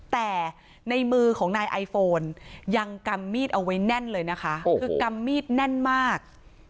แต่ในมือของนายไอโฟนยังกำมีดเอาไว้แน่นเลยนะคะคือกำมีดแน่นมาก